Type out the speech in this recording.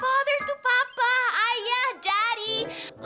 father tuh papa ayah daddy